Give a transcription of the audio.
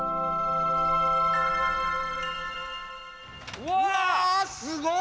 うわすごっ！